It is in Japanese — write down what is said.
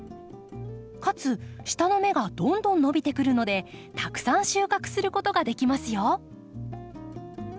かつ下の芽がどんどん伸びてくるのでたくさん収穫することができますよ。